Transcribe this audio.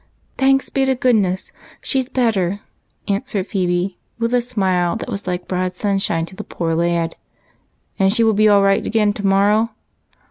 " "Thanks be to goodness, she's better," answered Phebe, with a smile that was like broad sunshine to the poor lad's anxious heart. " And she will be all right again to morrow